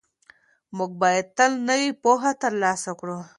موږ باید تل نوې پوهه ترلاسه کړو.